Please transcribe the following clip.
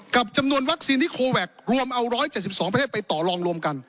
กับจำนวนวัคซีนที่โคแวครวมเอาร้อยเจ็ดสิบสองประเทศไปต่อรองรวมกัน